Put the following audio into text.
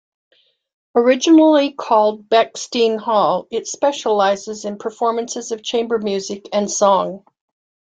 Originally called Bechstein Hall, it specialises in performances of chamber music and song.